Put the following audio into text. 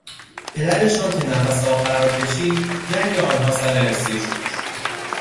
پدرشان که نفس آخر را کشید جنگ آنها سر ارثیه شروع شد.